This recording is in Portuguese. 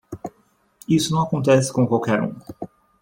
Isso não acontece com qualquer um!